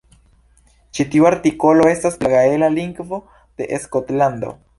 Ĉi tiu artikolo estas pri la gaela lingvo de Skotlando.